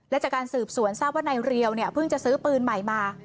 และจากการสืบสวนทราบว่านายเรียวเนี่ยเพิ่งจะซื้อปืนใหม่มา